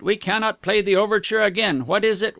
We cannot play the overture again. What is it?